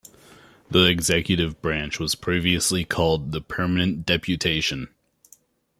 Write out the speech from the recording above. The executive branch was previously called the "Permanent Deputation".